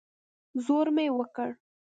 زور مې وکړ.